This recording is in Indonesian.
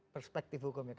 perspektif hukum ya